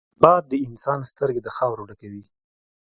باد د انسان سترګې د خاورو ډکوي